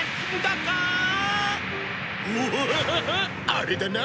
あれだな。